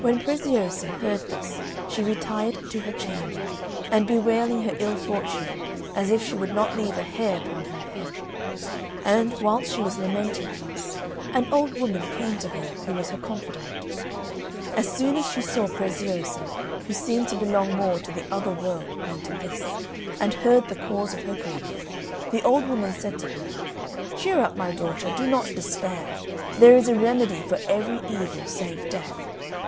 When Preziosa heard this she retired to her chamber, and bewailing her ill fortune as if she would not leave a hair upon her head; and, whilst she was lamenting thus, an old woman came to her, who was her confidant. As soon as she saw Preziosa, who seemed to belong more to the other world than to this, and heard the cause of her grief, the old woman said to her, "Cheer up, my daughter, do not despair; there is a remedy for every evil save death.